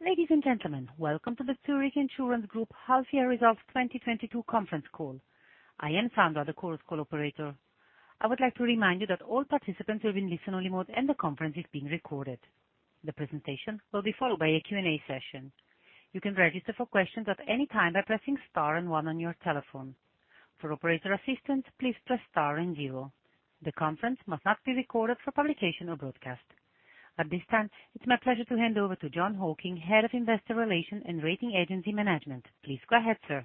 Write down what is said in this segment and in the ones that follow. Ladies and gentlemen, welcome to the Zurich Insurance Group Half Year Results 2022 Conference Call. I am Sandra, the Chorus Call Operator. I would like to remind you that all participants will be in listen-only mode, and the conference is being recorded. The presentation will be followed by a Q&A session. You can register for questions at any time by pressing star and one on your telephone. For operator assistance, please press star and zero. The conference must not be recorded for publication or broadcast. At this time, it's my pleasure to hand over to Jon Hocking, Head of Investor Relations and Rating Agency Management. Please go ahead, sir.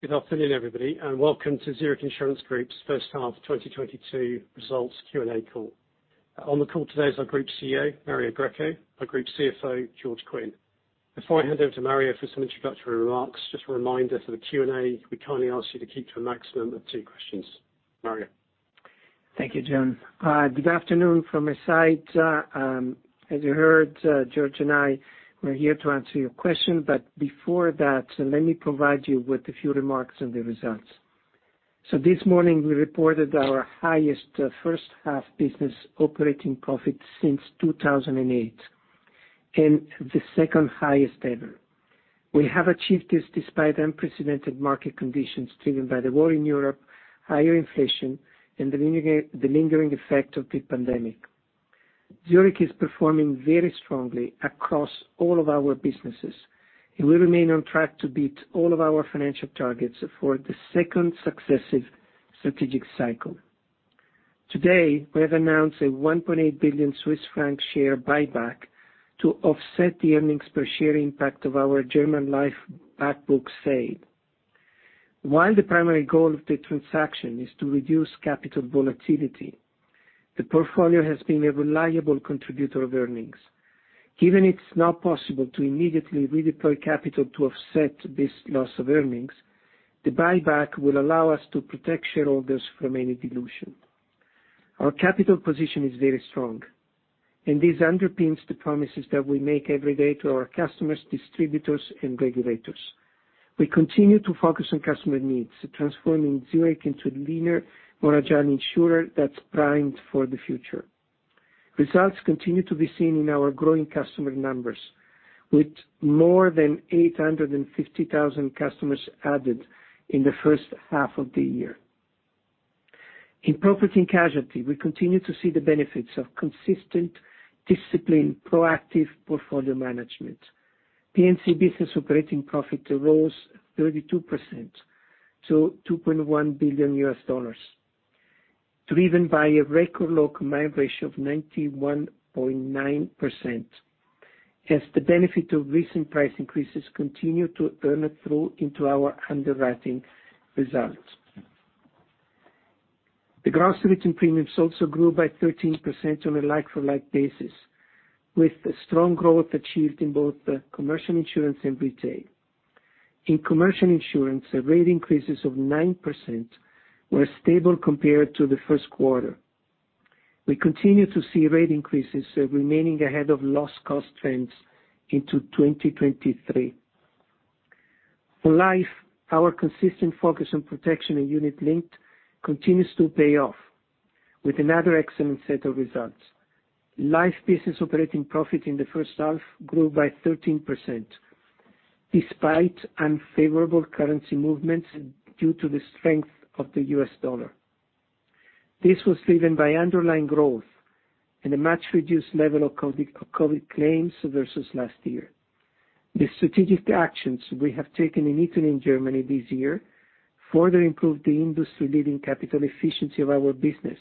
Good afternoon, everybody, and welcome to Zurich Insurance Group's first half 2022 results Q&A call. On the call today is our Group CEO, Mario Greco, our Group CFO, George Quinn. Before I hand over to Mario for some introductory remarks, just a reminder for the Q&A, we kindly ask you to keep to a maximum of two questions. Mario. Thank you, Jon. Good afternoon from my side. As you heard, George and I, we're here to answer your question. Before that, let me provide you with a few remarks on the results. This morning, we reported our highest first half business operating profit since 2008, and the second-highest ever. We have achieved this despite unprecedented market conditions driven by the war in Europe, higher inflation, and the lingering effect of the pandemic. Zurich is performing very strongly across all of our businesses, and we remain on track to beat all of our financial targets for the second successive strategic cycle. Today, we have announced a 1.8 billion Swiss franc share buyback to offset the earnings per share impact of our German Life back book sale. While the primary goal of the transaction is to reduce capital volatility, the portfolio has been a reliable contributor of earnings. Given it's now possible to immediately redeploy capital to offset this loss of earnings, the buyback will allow us to protect shareholders from any dilution. Our capital position is very strong, and this underpins the promises that we make every day to our customers, distributors, and regulators. We continue to focus on customer needs, transforming Zurich into a leaner, more agile insurer that's primed for the future. Results continue to be seen in our growing customer numbers, with more than 850,000 customers added in the first half of the year. In property and casualty, we continue to see the benefits of consistent, disciplined, proactive portfolio management. P&C business operating profit rose 32% to $2.1 billion, driven by a record low combined ratio of 91.9% as the benefit of recent price increases continue to earn through into our underwriting results. The gross written premiums also grew by 13% on a like-for-like basis, with strong growth achieved in both the commercial insurance and retail. In commercial insurance, the rate increases of 9% were stable compared to the first quarter. We continue to see rate increases remaining ahead of loss cost trends into 2023. For Life, our consistent focus on protection and unit-linked continues to pay off with another excellent set of results. Life business operating profit in the first half grew by 13%, despite unfavorable currency movements due to the strength of the U.S. dollar. This was driven by underlying growth and a much-reduced level of COVID claims versus last year. The strategic actions we have taken in Italy and Germany this year further improved the industry-leading capital efficiency of our business,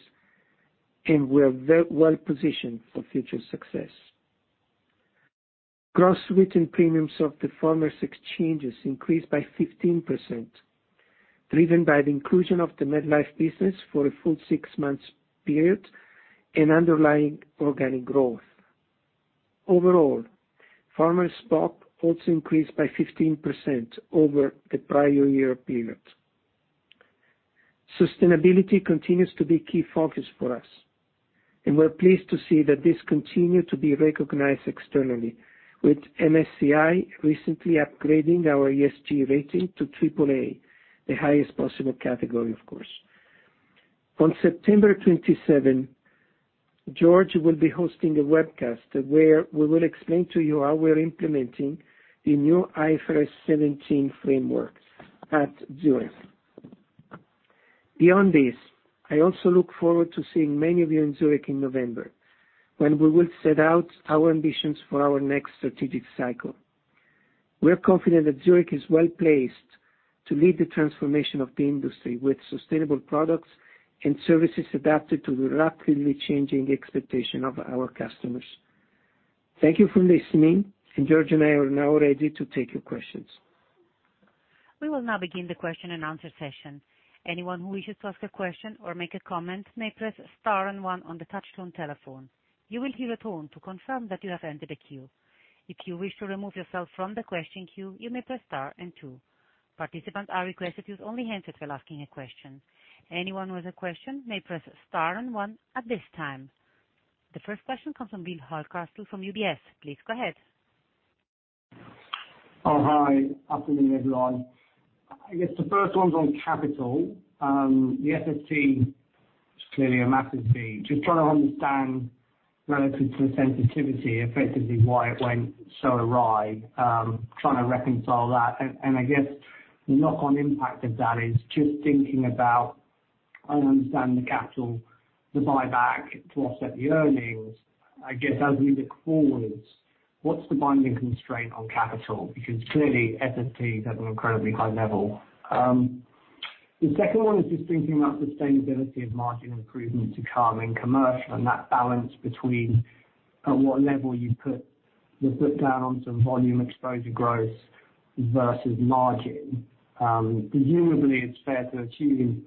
and we are well-positioned for future success. Gross written premiums of the Farmers Exchanges increased by 15%, driven by the inclusion of the MetLife business for a full six months period and underlying organic growth. Overall, Farmers' BOP also increased by 15% over the prior year period. Sustainability continues to be a key focus for us, and we're pleased to see that this continues to be recognized externally, with MSCI recently upgrading our ESG rating to AAA, the highest possible category, of course. On September 27, George will be hosting a webcast where we will explain to you how we're implementing the new IFRS 17 framework at Zurich. Beyond this, I also look forward to seeing many of you in Zurich in November, when we will set out our ambitions for our next strategic cycle. We are confident that Zurich is well-placed to lead the transformation of the industry with sustainable products and services adapted to the rapidly changing expectation of our customers. Thank you for listening, and George and I are now ready to take your questions. We will now begin the question and answer session. Anyone who wishes to ask a question or make a comment may press star and one on the touchtone telephone. You will hear a tone to confirm that you have entered a queue. If you wish to remove yourself from the question queue, you may press star and two. Participants are requested to use only hands-free while asking a question. Anyone with a question may press star and one at this time. The first question comes from Will Hardcastle from UBS. Please go ahead. Oh, hi. Afternoon, everyone. I guess the first one's on capital. The SST is clearly a massive key. Just trying to understand relative to the sensitivity, effectively, why it went so awry. Trying to reconcile that. I guess the knock-on impact of that is just thinking about, I understand the capital, the buyback to offset the earnings. I guess as we look forward, what's the binding constraint on capital? Because clearly SST is at an incredibly high level. The second one is just thinking about sustainability of margin improvement in commercial P&C and that balance between at what level you put the foot down on some volume exposure growth versus margin. Presumably it's fair to assume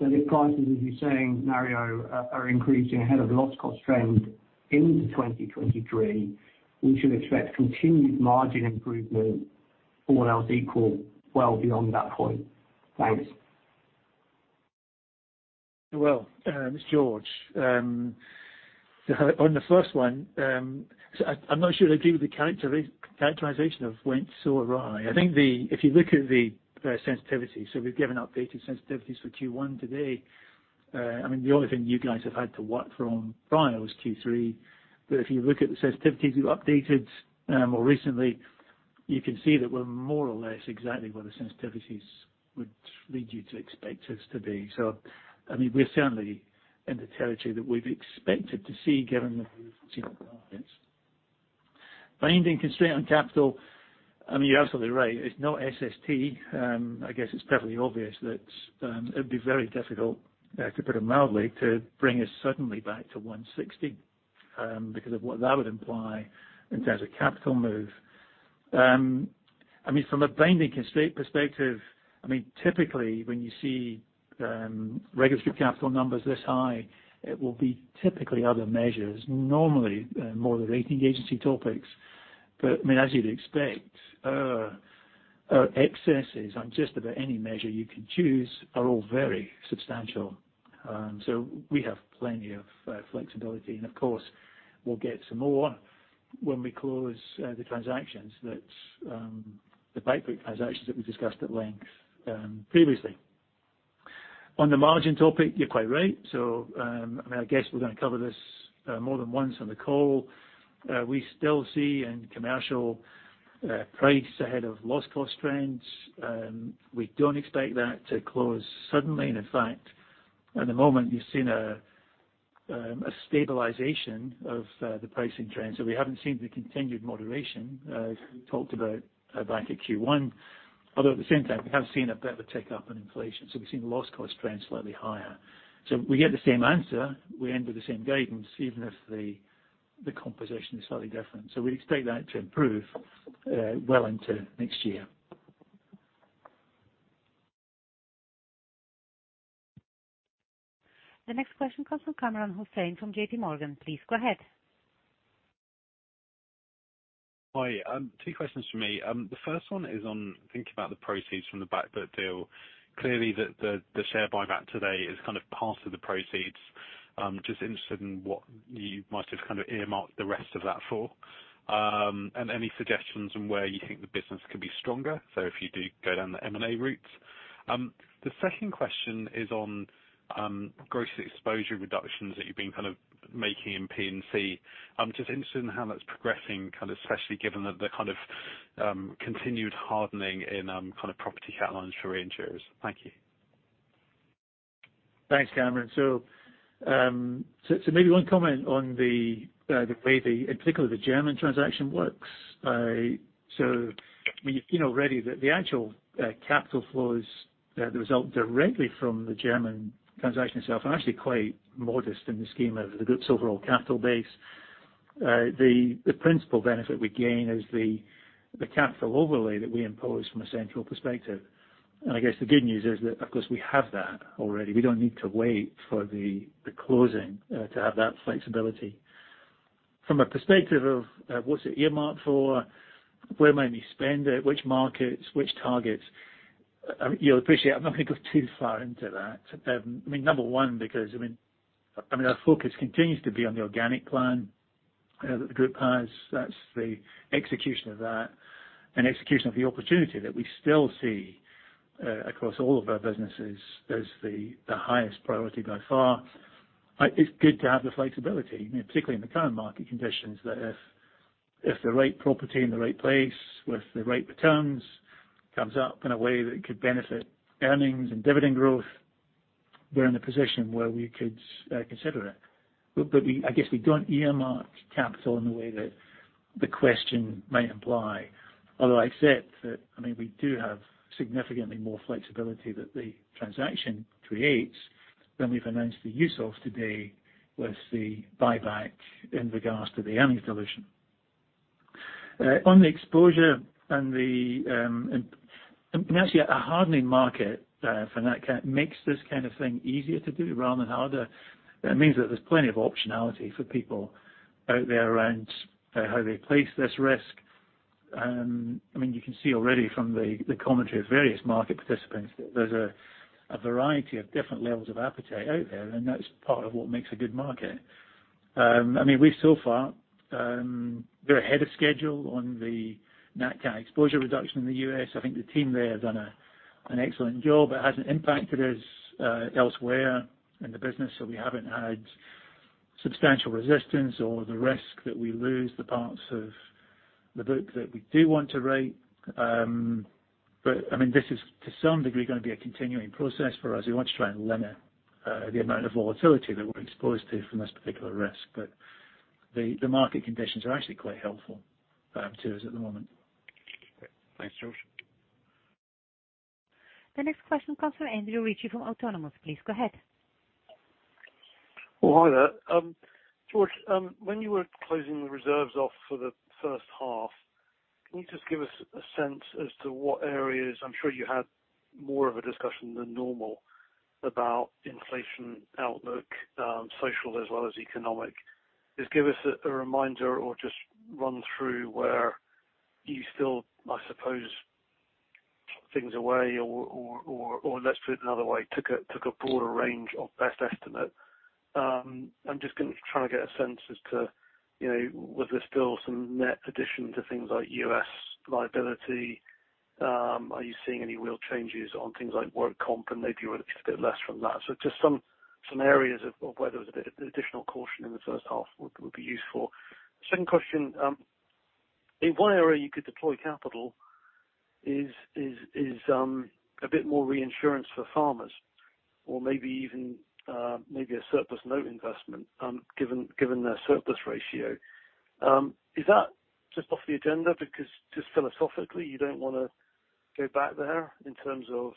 that if prices, as you're saying, Mario, are increasing ahead of the loss cost trend into 2023, we should expect continued margin improvement all else equal well beyond that point. Thanks. It's George. On the first one, I'm not sure I agree with the characterization of went so awry. I think if you look at the sensitivity, we've given updated sensitivities for Q1 today. I mean, the only thing you guys have had to work from prior was Q3. If you look at the sensitivities we've updated more recently, you can see that we're more or less exactly where the sensitivities would lead you to expect us to be. I mean, we're certainly in the territory that we've expected to see given the movements in the markets. Binding constraint on capital, I mean, you're absolutely right. It's not SST. I guess it's probably obvious that it'd be very difficult, to put it mildly, to bring us suddenly back to 160, because of what that would imply in terms of capital move. I mean, from a binding constraint perspective, I mean, typically when you see regulatory capital numbers this high, it will be typically other measures, normally more the rating agency topics. I mean, as you'd expect, excesses on just about any measure you could choose are all very substantial. We have plenty of flexibility. Of course, we'll get some more when we close the transactions that we discussed at length previously. On the margin topic, you're quite right. I mean, I guess we're gonna cover this more than once on the call. We still see in commercial price ahead of loss cost trends. We don't expect that to close suddenly. In fact, at the moment, we've seen a stabilization of the pricing trends. We haven't seen the continued moderation as we talked about back at Q1. Although at the same time, we have seen a better tick up in inflation. We've seen the loss cost trend slightly higher. We get the same answer, we end with the same guidance, even if the composition is slightly different. We'd expect that to improve well into next year. The next question comes from Kamran Hossain from J.P. Morgan. Please go ahead. Hi. Two questions from me. The first one is on thinking about the proceeds from the back book deal. Clearly, the share buyback today is kind of part of the proceeds. Just interested in what you might have kind of earmarked the rest of that for. Any suggestions on where you think the business could be stronger, so if you do go down the M&A route? The second question is on gross exposure reductions that you've been kind of making in P&C. I'm just interested in how that's progressing, kind of especially given the kind of continued hardening in kind of property cat lines for reinsurers. Thank you. Thanks, Kamran. Maybe one comment on the way, in particular the German transaction works. I mean, you've seen already that the actual capital flows, the result directly from the German transaction itself are actually quite modest in the scheme of the group's overall capital base. The principal benefit we gain is the capital overlay that we impose from a central perspective. I guess the good news is that, of course, we have that already. We don't need to wait for the closing to have that flexibility. From a perspective of what's it earmarked for? Where might we spend it? Which markets? Which targets? You'll appreciate I'm not gonna go too far into that. I mean, number one, our focus continues to be on the organic plan that the group has. That's the execution of that and execution of the opportunity that we still see across all of our businesses as the highest priority by far. It's good to have the flexibility, you know, particularly in the current market conditions, that if the right property in the right place with the right returns comes up in a way that could benefit earnings and dividend growth, we're in a position where we could consider it. But we, I guess, don't earmark capital in the way that the question might imply. Although I accept that, I mean, we do have significantly more flexibility that the transaction creates than we've announced the use of today with the buyback in regards to the earnings dilution. On the exposure and actually a hardening market for Nat Cat makes this kind of thing easier to do rather than harder. It means that there's plenty of optionality for people out there around how they place this risk. I mean you can see already from the commentary of various market participants that there's a variety of different levels of appetite out there, and that's part of what makes a good market. I mean we so far we're ahead of schedule on the Nat Cat exposure reduction in the U.S. I think the team there have done an excellent job. It hasn't impacted us elsewhere in the business, so we haven't had substantial resistance or the risk that we lose the parts of the book that we do want to write. I mean, this is to some degree gonna be a continuing process for us. We want to try and limit the amount of volatility that we're exposed to from this particular risk. The market conditions are actually quite helpful to us at the moment. Great. Thanks, George. The next question comes from Andrew Ritchie from Autonomous. Please go ahead. Well, hi there. George, when you were closing the reserves off for the first half, can you just give us a sense as to what areas? I'm sure you had more of a discussion than normal about inflation outlook, social as well as economic. Just give us a reminder or just run through where you still, I suppose, put things away or let's put it another way, took a broader range of best estimate. I'm just gonna try to get a sense as to, you know, was there still some net addition to things like U.S. liability? Are you seeing any real changes on things like workers' comp, and maybe a bit less from that? Just some areas of where there was a bit of additional caution in the first half would be useful. Second question. In what area you could deploy capital is a bit more reinsurance for Farmers or maybe even a surplus note investment, given their surplus ratio. Is that just off the agenda because just philosophically you don't wanna go back there in terms of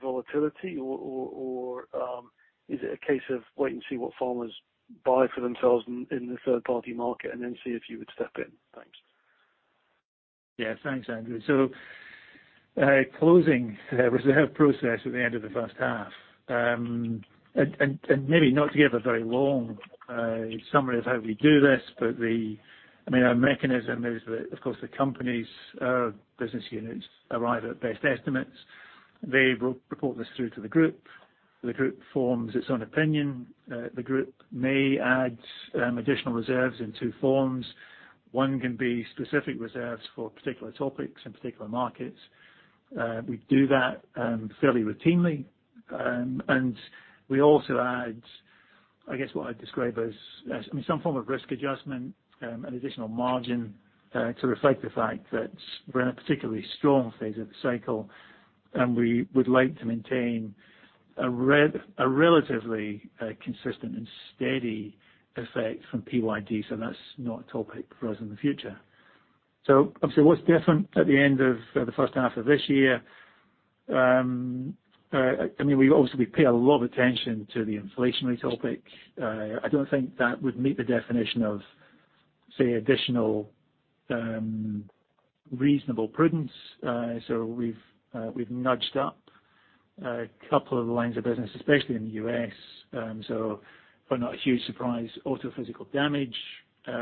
volatility? Or is it a case of wait and see what Farmers buy for themselves in the third-party market and then see if you would step in? Thanks. Yeah. Thanks, Andrew. Closing the reserve process at the end of the first half. Maybe not to give a very long summary of how we do this, but I mean, our mechanism is that, of course, the company's business units arrive at best estimates. They will report this through to the group. The group forms its own opinion. The group may add additional reserves in two forms. One can be specific reserves for particular topics in particular markets. We do that fairly routinely. We also add, I guess, what I'd describe as some form of risk adjustment, an additional margin, to reflect the fact that we're in a particularly strong phase of the cycle, and we would like to maintain a relatively consistent and steady effect from PYD. That's not a topic for us in the future. Obviously, what's different at the end of the first half of this year, I mean, we obviously pay a lot of attention to the inflationary topic. I don't think that would meet the definition of, say, additional reasonable prudence. We've nudged up a couple of lines of business, especially in the U.S. But not a huge surprise. Auto physical damage,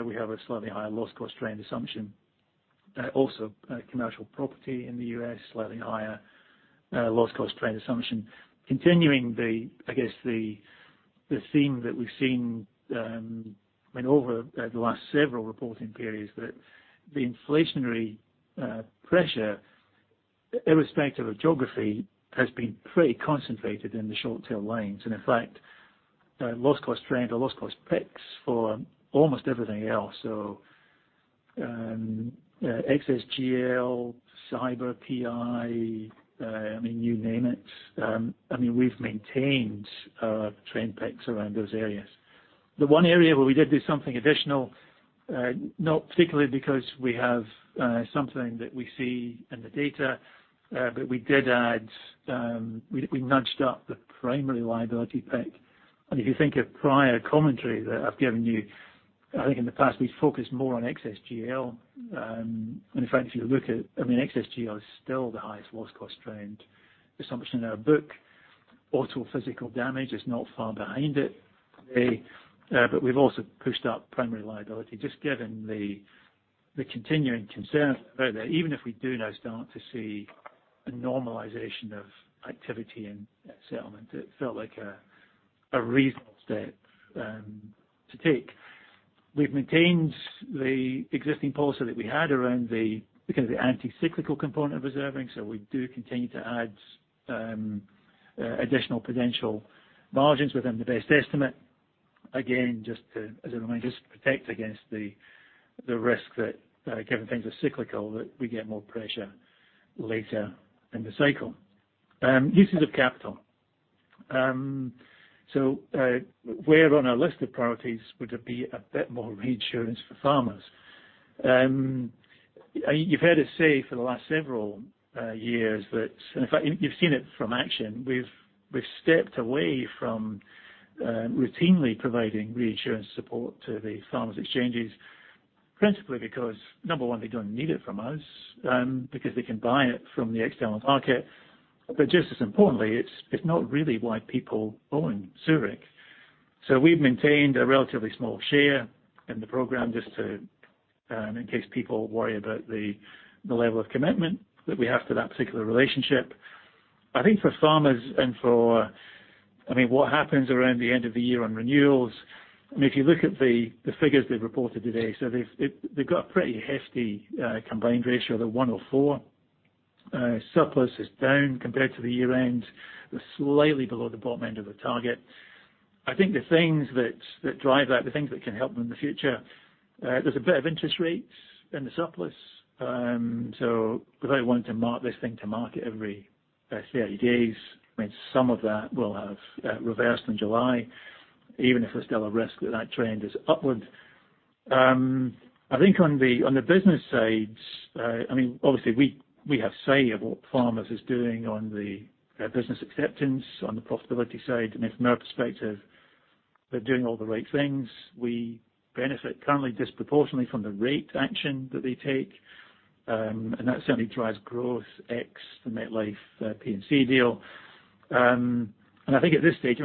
we have a slightly higher loss cost trend assumption. Also, commercial property in the U.S., slightly higher loss cost trend assumption. Continuing the, I guess, theme that we've seen, I mean, over the last several reporting periods, that the inflationary pressure, irrespective of geography, has been pretty concentrated in the short tail lines. In fact, loss cost trend or loss cost picks for almost everything else. Excess GL, cyber PI, I mean, you name it, I mean, we've maintained trend picks around those areas. The one area where we did do something additional, not particularly because we have something that we see in the data, but we did add, we nudged up the primary liability pick. If you think of prior commentary that I've given you, I think in the past we've focused more on Excess GL. In fact, if you look at, I mean, Excess GL is still the highest loss cost trend assumption in our book. Auto physical damage is not far behind it. We've also pushed up primary liability just given the continuing concerns that even if we do now start to see a normalization of activity and settlement, it felt like a reasonable step to take. We've maintained the existing policy that we had around the kind of the counter-cyclical component of reserving. We do continue to add additional potential margins within the best estimate. Again, just to, as I mentioned, just to protect against the risk that given things are cyclical, that we get more pressure later in the cycle. Uses of capital. Where on our list of priorities would there be a bit more reinsurance for Farmers? You've heard us say for the last several years that. In fact you've seen it from action. We've stepped away from routinely providing reinsurance support to the Farmers Exchanges, principally because, number one, they don't need it from us, because they can buy it from the external market. But just as importantly, it's not really why people own Zurich. We've maintained a relatively small share in the program just to, in case people worry about the level of commitment that we have to that particular relationship. I think for Farmers and for, I mean, what happens around the end of the year on renewals, I mean, if you look at the figures they've reported today, so they've got a pretty hefty combined ratio of 104. Surplus is down compared to the year end. They're slightly below the bottom end of the target. I think the things that drive that, the things that can help them in the future, there's a bit of interest rates in the surplus. So because I want to mark this thing to market every 30 days meant some of that will have reversed in July, even if there's still a risk that the trend is upward. I think on the business side, I mean, obviously we have a say in what Farmers is doing on the business acceptance, on the profitability side. From our perspective, they're doing all the right things. We benefit currently disproportionately from the rate action that they take. That certainly drives growth ex the MetLife, the P&C deal. I think at this stage,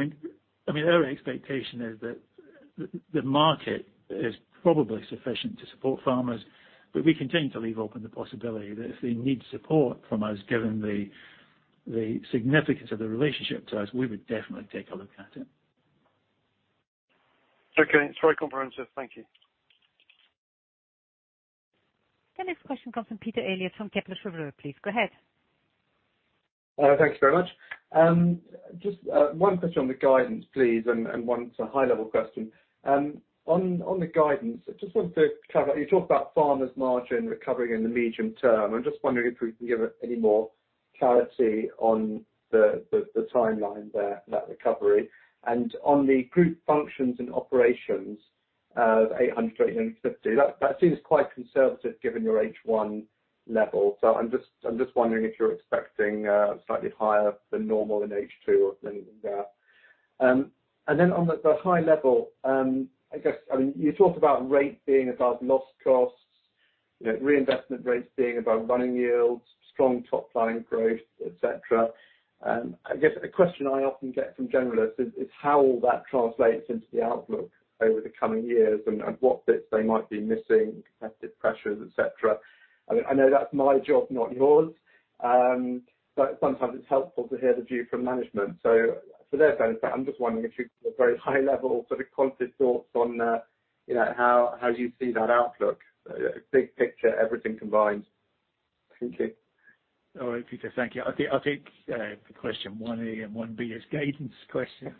I mean, our expectation is that the market is probably sufficient to support Farmers, but we continue to leave open the possibility that if they need support from us, given the significance of the relationship to us, we would definitely take a look at it. Okay. It's very comprehensive. Thank you. The next question comes from Peter Eliot from Kepler Cheuvreux, please go ahead. Thanks very much. Just one question on the guidance, please, and it's a high level question. On the guidance, I just wanted to clarify, you talked about Farmers margin recovering in the medium term. I'm just wondering if we can give it any more clarity on the timeline there, that recovery. On the Group Functions and Operations of $800-$850, that seems quite conservative given your H1 level. So I'm just wondering if you're expecting slightly higher than normal in H2 or anything there. On the high level, I guess, I mean, you talked about rate being above loss costs, you know, reinvestment rates being above running yields, strong top line growth, et cetera. I guess a question I often get from generalists is how all that translates into the outlook over the coming years and what bits they might be missing, competitive pressures, et cetera. I mean, I know that's my job, not yours. Sometimes it's helpful to hear the view from management. For their benefit, I'm just wondering if you could, at a very high level, sort of candid thoughts on, you know, how you see that outlook. Big picture, everything combined. Thank you. All right, Peter. Thank you. I'll take the question 1A and 1B as guidance question.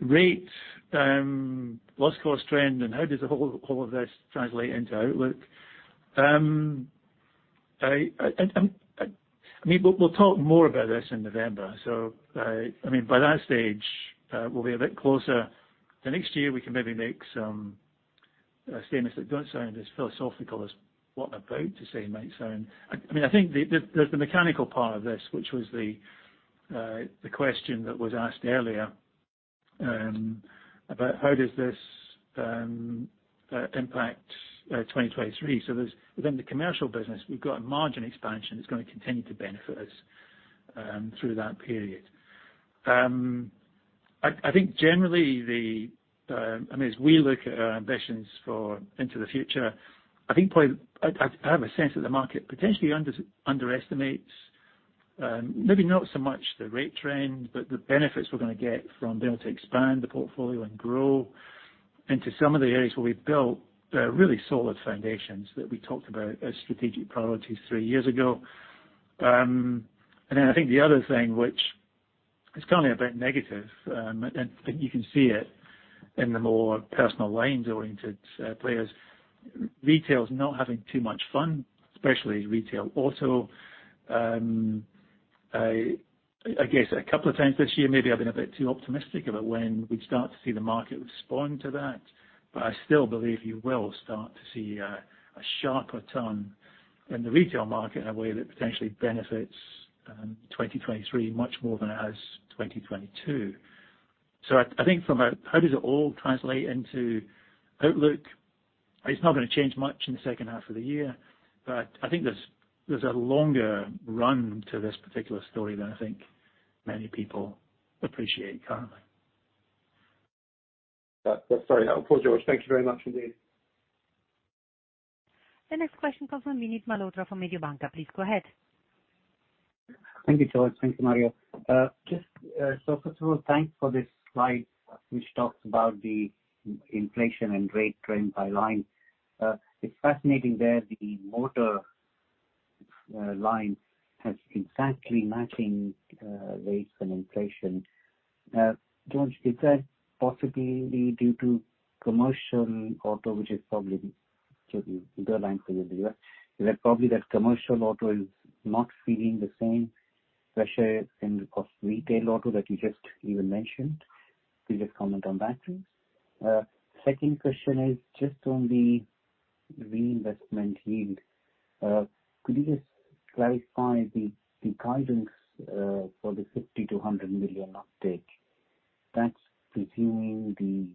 I mean, we'll talk more about this in November. I mean, by that stage, we'll be a bit closer. The next year we can maybe make some statements that don't sound as philosophical as what I'm about to say might sound. I mean, I think the mechanical part of this, which was the question that was asked earlier, about how does this impact 2023. There's within the commercial business, we've got a margin expansion that's gonna continue to benefit us through that period. I think generally, I mean, as we look at our ambitions for the future, I think probably I have a sense that the market potentially underestimates, maybe not so much the rate trend, but the benefits we're gonna get from being able to expand the portfolio and grow into some of the areas where we've built really solid foundations that we talked about as strategic priorities three years ago. I think the other thing which is currently a bit negative, and you can see it in the more personal lines-oriented players, retail is not having too much fun, especially retail auto. I guess a couple of times this year, maybe I've been a bit too optimistic about when we'd start to see the market respond to that. I still believe you will start to see a sharper turn in the retail market in a way that potentially benefits 2023 much more than it has 2022. I think from a how does it all translate into outlook. It's not gonna change much in the second half of the year, but I think there's a longer run to this particular story than I think many people appreciate currently. That's very helpful, George. Thank you very much indeed. The next question comes from Vinit Malhotra from Mediobanca. Please go ahead. Thank you, George. Thank you, Mario. First of all, thanks for this slide which talks about the inflation and rate trend by line. It's fascinating there, the motor line has exactly matching rates and inflation. George, is that possibly due to commercial auto, which probably should be the line for you there? Is that probably that commercial auto is not feeling the same pressure in the cost of retail auto that you just even mentioned? Could you just comment on that, please? Second question is just on the reinvestment yield. Could you just clarify the guidance for the $50 million-$100 million uptake? That's presuming the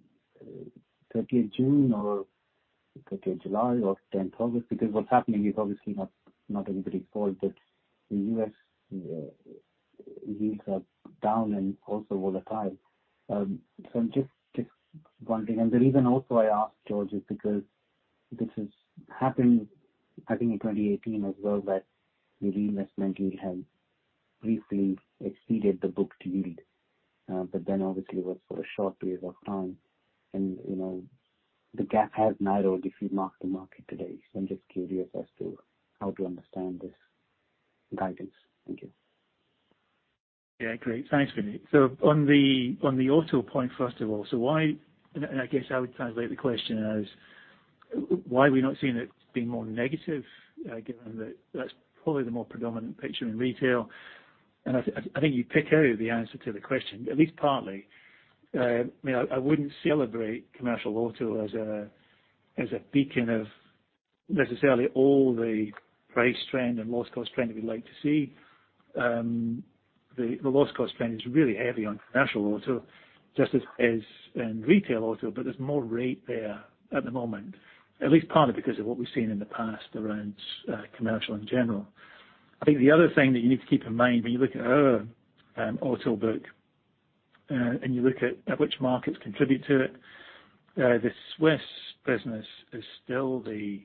30th June or 30th July or 10th August, because what's happening is obviously not anybody's fault, but the U.S. yields are down and also volatile. Just one thing. The reason also I ask, George, is because this has happened, I think in 2018 as well, that the reinvestment yield has briefly exceeded the book yield. Then obviously was for a short period of time. You know, the gap has narrowed if you mark-to-market today. I'm just curious as to how to understand this guidance. Thank you. Yeah. Great. Thanks, Vinit. On the auto point, first of all, why are we not seeing it being more negative, given that that's probably the more predominant picture in retail. I think you pick out the answer to the question, at least partly. I mean, I wouldn't celebrate commercial auto as a beacon of necessarily all the price trend and loss cost trend that we'd like to see. The loss cost trend is really heavy on commercial auto just as is in retail auto, but there's more rate there at the moment, at least partly because of what we've seen in the past around commercial in general. I think the other thing that you need to keep in mind when you look at our auto book, and you look at which markets contribute to it, the Swiss business is still the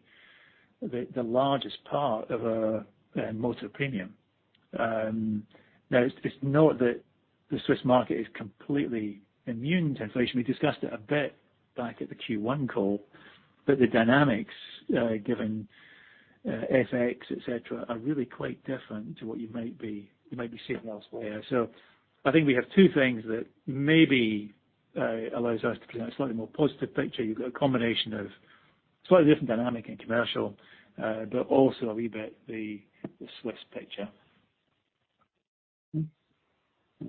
largest part of our motor premium. Now it's not that the Swiss market is completely immune to inflation. We discussed it a bit back at the Q1 call. The dynamics, given FX, et cetera, are really quite different to what you might be seeing elsewhere. I think we have two things that maybe allows us to present a slightly more positive picture. You've got a combination of slightly different dynamic and commercial, but also a wee bit the Swiss picture.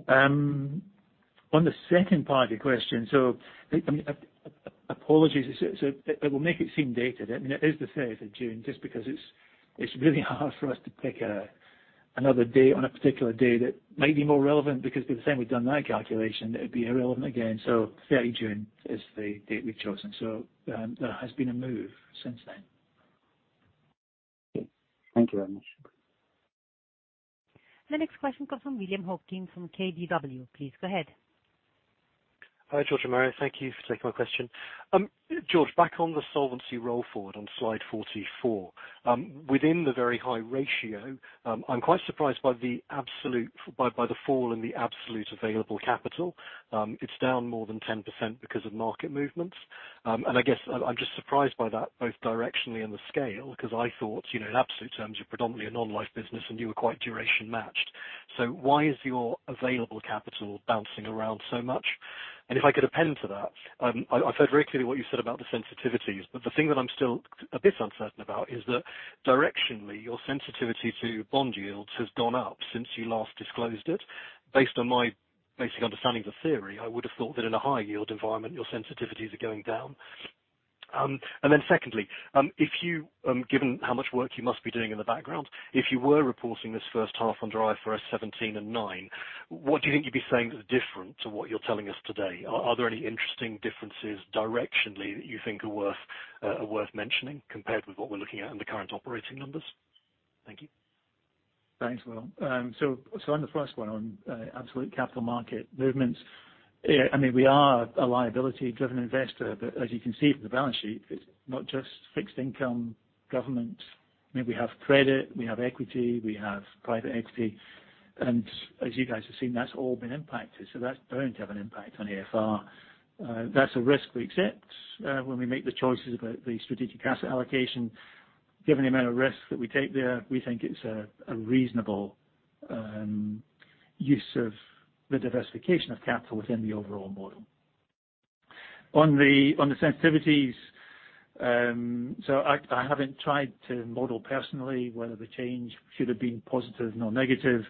On the second part of your question. I mean, apologies, it will make it seem dated. I mean, it is the 30th of June, just because it's really hard for us to pick another day on a particular day that might be more relevant because by the time we've done that calculation, it would be irrelevant again. Thirty June is the date we've chosen. There has been a move since then. Okay. Thank you very much. The next question comes from William Hawkins from KBW. Please go ahead. Hi, George Quinn and Mario Greco. Thank you for taking my question. George, back on the solvency roll forward on slide 44. Within the very high ratio, I'm quite surprised by the absolute by the fall in the absolute available capital. It's down more than 10% because of market movements. I guess I'm just surprised by that both directionally and the scale, because I thought, you know, in absolute terms, you're predominantly a non-life business and you were quite duration matched. So why is your available capital bouncing around so much? If I could append to that, I've heard very clearly what you said about the sensitivities, but the thing that I'm still a bit uncertain about is that directionally, your sensitivity to bond yields has gone up since you last disclosed it. Based on my basic understanding of the theory, I would have thought that in a high yield environment, your sensitivities are going down. Secondly, given how much work you must be doing in the background, if you were reporting this first half under IFRS 17 and 9, what do you think you'd be saying that are different to what you're telling us today? Are there any interesting differences directionally that you think are worth mentioning compared with what we're looking at in the current operating numbers? Thank you. Thanks, Will. On the first one, on absolute capital market movements, I mean, we are a liability driven investor, but as you can see from the balance sheet, it's not just fixed income government. I mean, we have credit, we have equity, we have private equity. As you guys have seen, that's all been impacted. That's going to have an impact on AFR. That's a risk we accept when we make the choices about the strategic asset allocation. Given the amount of risk that we take there, we think it's a reasonable use of the diversification of capital within the overall model. On the sensitivities, I haven't tried to model personally whether the change should have been positive or negative.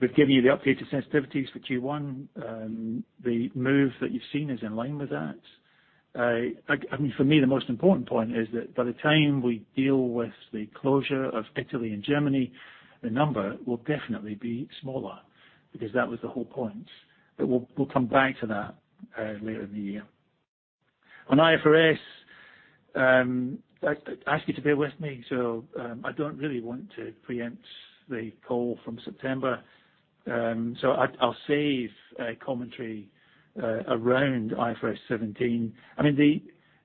We've given you the updated sensitivities for Q1. The move that you've seen is in line with that. I mean, for me, the most important point is that by the time we deal with the closure of Italy and Germany, the number will definitely be smaller because that was the whole point. We'll come back to that later in the year. On IFRS, I ask you to bear with me. I don't really want to preempt the call from September. I'll save a commentary around IFRS 17. I mean,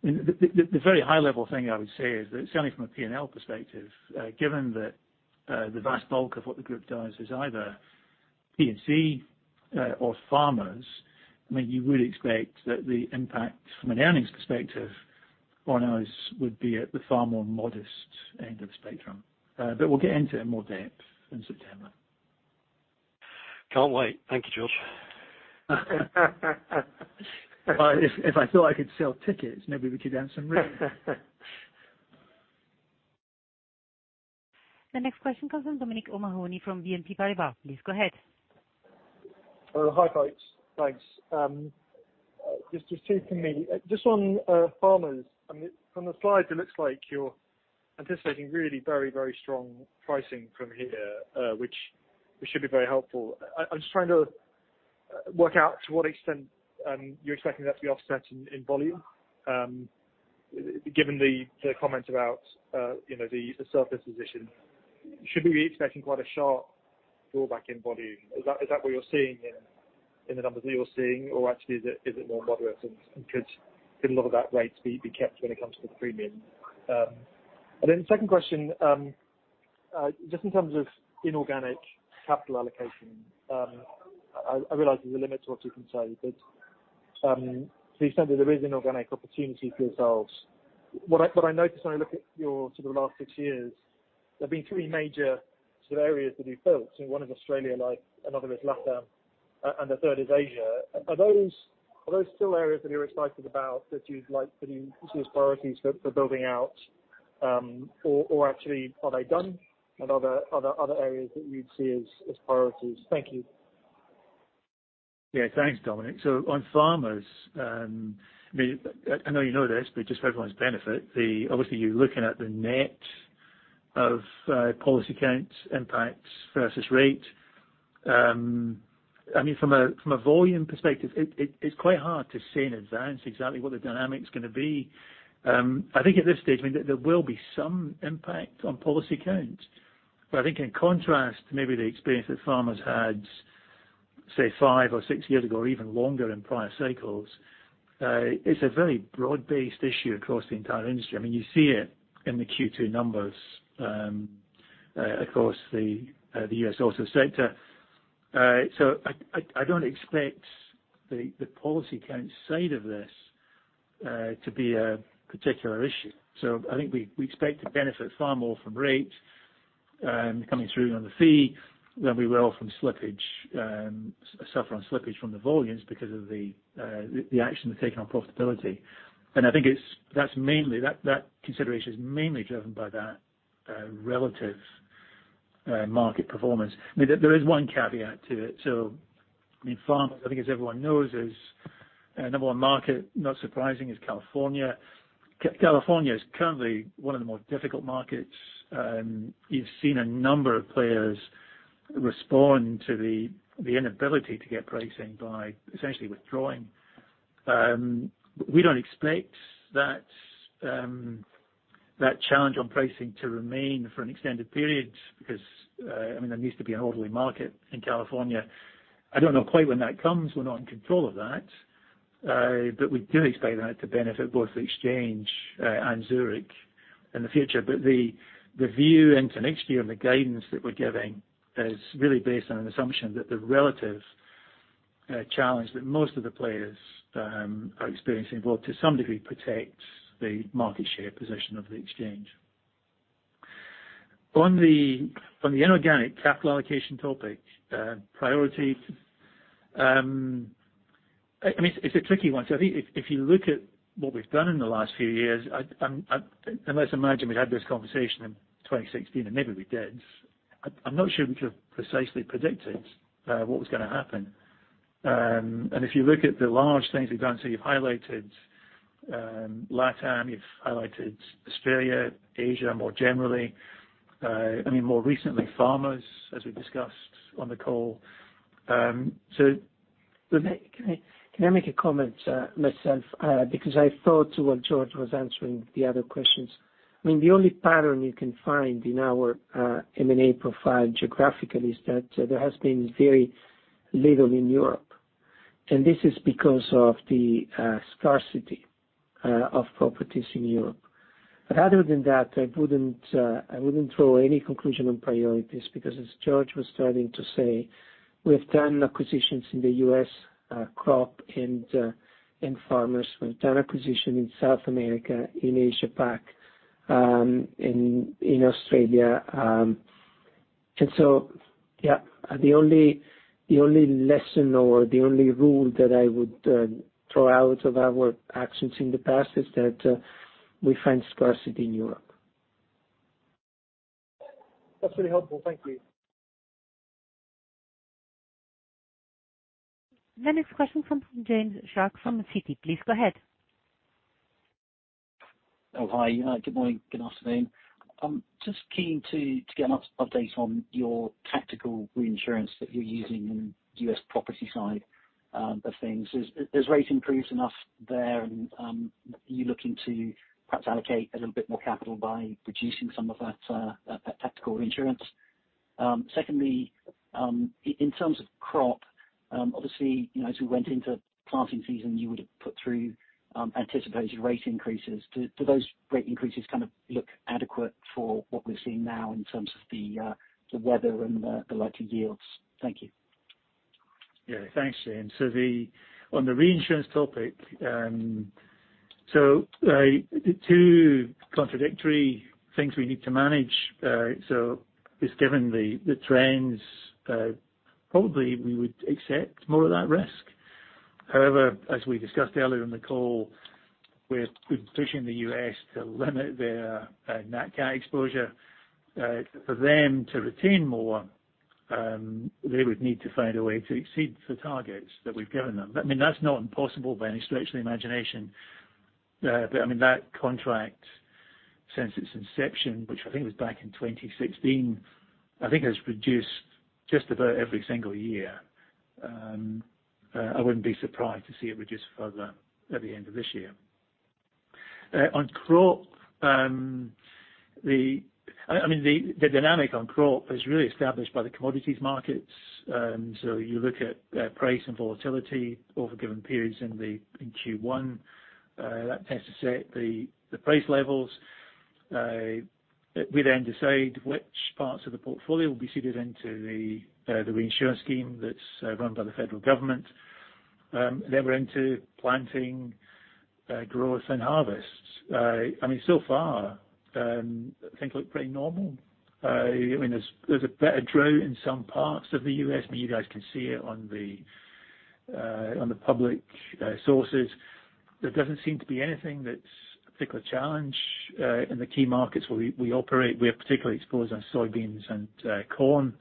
the The very high level thing I would say is that certainly from a P&L perspective, given that the vast bulk of what the group does is either P&C or farmers, I mean, you would expect that the impact from an earnings perspective on us would be at the far more modest end of the spectrum. We'll get into it in more depth in September. Can't wait. Thank you, George. If I thought I could sell tickets, maybe we could add some revenue. The next question comes from Dominic O'Mahony from BNP Paribas. Please go ahead. Hi folks, thanks. Just two from me. Just on Farmers. I mean, from the slides, it looks like you're anticipating really very strong pricing from here, which should be very helpful. I'm just trying to work out to what extent you're expecting that to be offset in volume, given the comments about, you know, the surplus position. Should we be expecting quite a sharp pullback in volume? Is that what you're seeing in the numbers that you're seeing? Or actually is it more moderate and could a lot of that rate be kept when it comes to the premium? The second question, just in terms of inorganic capital allocation, I realize there's a limit to what you can say, but to the extent that there is inorganic opportunity for yourselves, what I noticed when I look at your sort of last six years, there have been three major sort of areas that you've built. One is Australia Life, another is LatAm, and the third is Asia. Are those still areas that you're excited about, that you'd like that you see as priorities for building out? Or actually are they done? Are there other areas that you'd see as priorities? Thank you. Yeah. Thanks, Dominic. On Farmers, I mean, I know you know this, but just for everyone's benefit, obviously you're looking at the net of policy counts, impacts versus rate. I mean, from a volume perspective, it is quite hard to say in advance exactly what the dynamic's gonna be. I think at this stage, I mean, there will be some impact on policy count. But I think in contrast to maybe the experience that Farmers had, say five or six years ago or even longer in prior cycles, it's a very broad-based issue across the entire industry. I mean, you see it in the Q2 numbers across the U.S. P&C sector. I don't expect the policy count side of this to be a particular issue. I think we expect to benefit far more from rates coming through on the fee than we will from slippage suffer on slippage from the volumes because of the action we've taken on profitability. I think that's mainly that consideration is mainly driven by that relative market performance. I mean, there is one caveat to it. I mean, Farmers, I think as everyone knows, is our number one market, not surprising, is California. California is currently one of the more difficult markets. You've seen a number of players respond to the inability to get pricing by essentially withdrawing. We don't expect that challenge on pricing to remain for an extended period because, I mean, there needs to be an orderly market in California. I don't know quite when that comes. We're not in control of that. We do expect that to benefit both the Exchange and Zurich in the future. The view into next year and the guidance that we're giving is really based on an assumption that the relative challenge that most of the players are experiencing will to some degree protect the market share position of the Exchange. On the inorganic capital allocation topic, priority, I mean, it's a tricky one. I think if you look at what we've done in the last few years, and let's imagine we'd had this conversation in 2016, and maybe we did. I'm not sure we could have precisely predicted what was gonna happen. If you look at the large things we've done, you've highlighted LatAm, you've highlighted Australia, Asia more generally, I mean, more recently, Farmers, as we discussed on the call. Can I make a comment myself? Because I thought about what George was answering the other questions. I mean, the only pattern you can find in our M&A profile geographically is that there has been very little in Europe, and this is because of the scarcity of properties in Europe. Other than that, I wouldn't draw any conclusion on priorities because as George was starting to say, we've done acquisitions in the U.S., Crop and in Farmers. We've done acquisition in South America, in Asia Pac, in Australia. Yeah, the only lesson or the only rule that I would draw out of our actions in the past is that we find scarcity in Europe. That's really helpful. Thank you. The next question comes from James Shuck from Citi. Please go ahead. Good morning, good afternoon. I'm just keen to get an update on your tactical reinsurance that you're using in U.S. property side of things. Is rate increase enough there and are you looking to perhaps allocate a little bit more capital by reducing some of that tactical reinsurance? Secondly, in terms of Crop, obviously, you know, as we went into planting season, you would've put through anticipated rate increases. Do those rate increases kind of look adequate for what we're seeing now in terms of the weather and the likely yields? Thank you. Thanks, Iain. On the reinsurance topic, the two contradictory things we need to manage, just given the trends, probably we would accept more of that risk. However, as we discussed earlier in the call, we're pushing the U.S. to limit their Nat Cat exposure. For them to retain more, they would need to find a way to exceed the targets that we've given them. I mean, that's not impossible by any stretch of the imagination. I mean, that contract, since its inception, which I think was back in 2016, I think has reduced just about every single year. I wouldn't be surprised to see it reduced further at the end of this year. On Crop, the... I mean, the dynamic on Crop is really established by the commodities markets. You look at price and volatility over given periods in Q1. That tends to set the price levels. We then decide which parts of the portfolio will be seeded into the reinsurance scheme that's run by the federal government. We're into planting, growth and harvests. I mean, so far, things look pretty normal. I mean, there's a bit of a drought in some parts of the U.S., but you guys can see it on the public sources. There doesn't seem to be anything that's a particular challenge in the key markets where we operate. We are particularly exposed on soybeans and corn.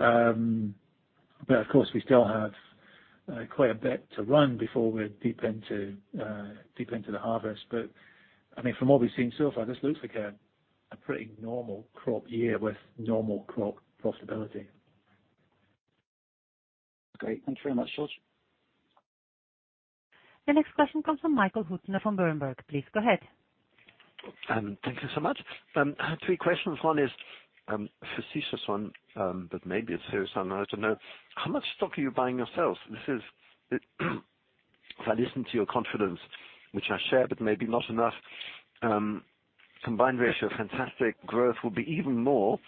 Of course we still have quite a bit to run before we're deep into the harvest. I mean, from what we've seen so far, this looks like a pretty normal Crop year with normal Crop profitability. Great. Thanks very much, George. The next question comes from Michael Huttner from Berenberg. Please go ahead. Thank you so much. I have three questions. One is a facetious one, but maybe a serious one, I don't know. How much stock are you buying yourself? This is, if I listen to your confidence, which I share, but maybe not enough, combined ratio, fantastic growth will be even more.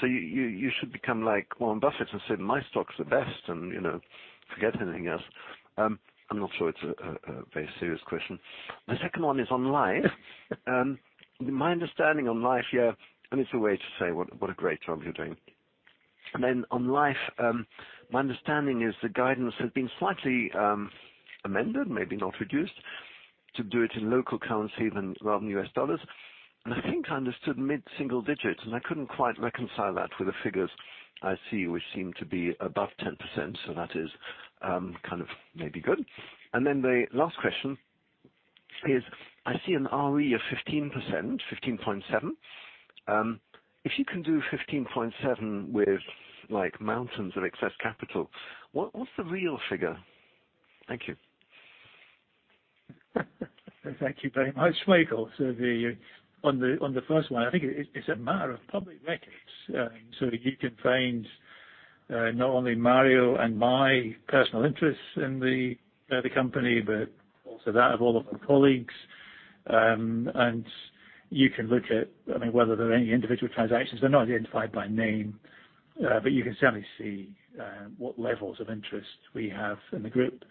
So you should become like Warren Buffett and say, "My stocks are best," and, you know, forget anything else. I'm not sure it's a very serious question. The second one is on Life. My understanding on Life, yeah, and it's a way to say what a great job you're doing. on Life, my understanding is the guidance has been slightly amended, maybe not reduced, to do it in local currency rather than U.S. dollars. I think I understood mid-single digits, and I couldn't quite reconcile that with the figures I see, which seem to be above 10%, so that is kind of maybe good. Then the last question is I see an ROE of 15%, 15.7%. If you can do 15.7% with like mountains of excess capital, what's the real figure? Thank you. Thank you very much, Michael. On the first one, I think it's a matter of public records. So you can find not only Mario and my personal interest in the company, but also that of all of our colleagues. And you can look at, I mean, whether there are any individual transactions. They're not identified by name, but you can certainly see what levels of interest we have in the group.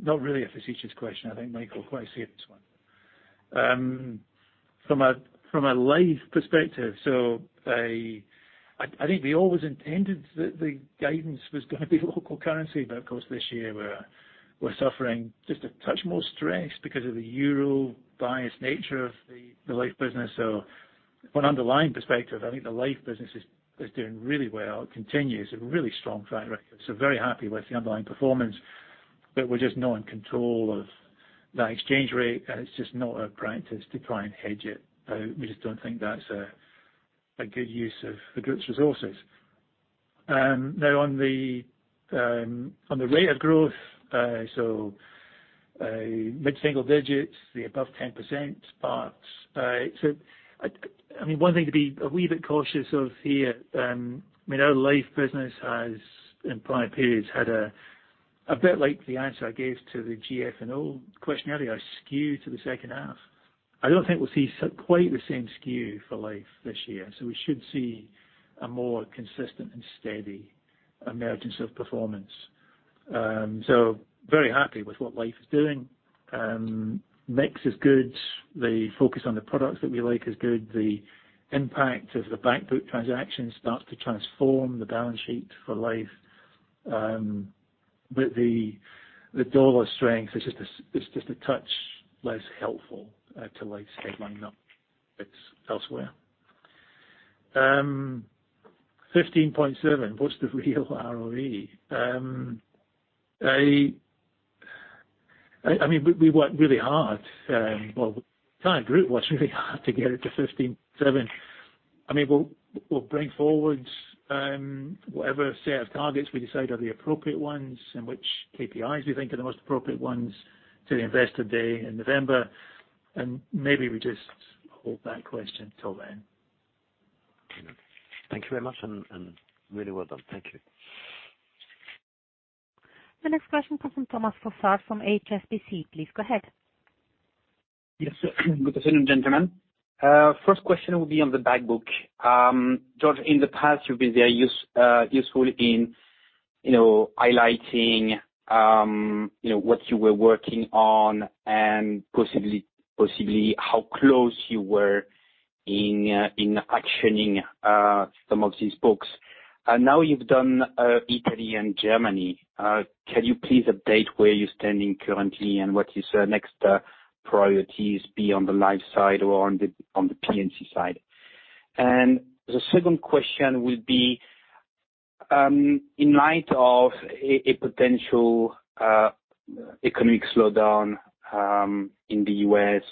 Not really a facetious question. I think, Michael, quite a serious one. From a Life perspective. I think we always intended that the guidance was gonna be local currency, but of course this year we're suffering just a touch more stress because of the euro bias nature of the Life business. From an underlying perspective, I think the Life business is doing really well. It continues a really strong track record. Very happy with the underlying performance, but we're just not in control of that exchange rate, and it's just not our practice to try and hedge it. We just don't think that's a good use of the group's resources. Now on the rate of growth. Mid-single digits, the above 10% parts. I mean, one thing to be a wee bit cautious of here, I mean, our Life business has in prior periods had a bit like the answer I gave to the GF&O question earlier, a skew to the second half. I don't think we'll see quite the same skew for Life this year. We should see a more consistent and steady emergence of performance. Very happy with what Life is doing. Mix is good. The focus on the products that we like is good. The impact of the bank group transactions start to transform the balance sheet for Life. But the dollar strength is just a touch less helpful to Life's headline numbers elsewhere. 15.7%, what's the real ROE? I mean, we worked really hard, well, the client group worked really hard to get it to 15.7%. I mean, we'll bring forward whatever set of targets we decide are the appropriate ones and which KPIs we think are the most appropriate ones to the investor day in November, and maybe we just hold that question till then. Thank you very much and really well done. Thank you. The next question comes from Thomas Fossard from HSBC. Please go ahead. Yes. Good afternoon, gentlemen. First question will be on the back book. George, in the past you've been very useful in, you know, highlighting, you know, what you were working on and possibly how close you were in actioning some of these books. Now you've done Italy and Germany, can you please update where you're standing currently and what is next priorities be on the life side or on the P&C side? The second question would be, in light of a potential economic slowdown in the U.S.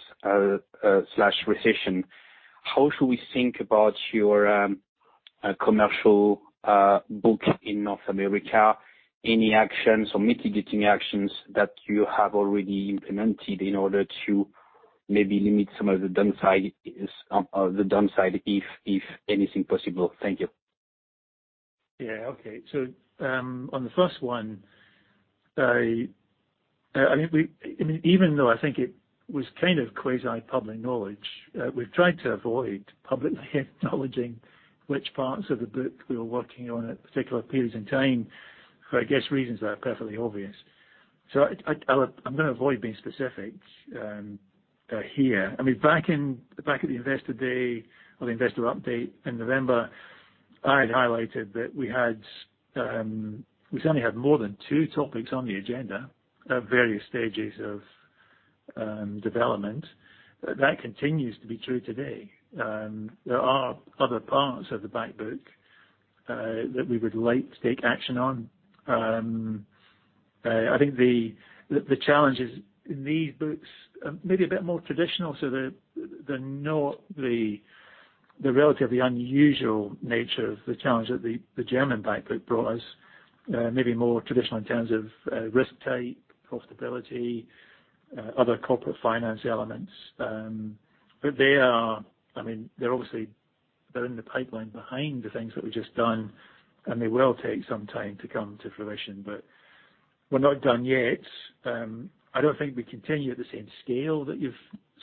slash recession, how should we think about your commercial book in North America? Any actions or mitigating actions that you have already implemented in order to maybe limit some of the downside? The downside if anything possible? Thank you. Yeah. Okay. On the first one, I mean, even though I think it was kind of quasi public knowledge, we've tried to avoid publicly acknowledging which parts of the book we were working on at particular periods in time, for I guess reasons that are perfectly obvious. I'm gonna avoid being specific here. I mean, back at the investor day or the investor update in November, I had highlighted that we certainly had more than two topics on the agenda at various stages of development. That continues to be true today. There are other parts of the back book that we would like to take action on. I think the challenges in these books are maybe a bit more traditional, so they're not the relatively unusual nature of the challenge that the German back book brought us. Maybe more traditional in terms of risk type, profitability, other corporate finance elements. They are. I mean, they're obviously in the pipeline behind the things that we've just done, and they will take some time to come to fruition, but we're not done yet. I don't think we continue at the same scale that you've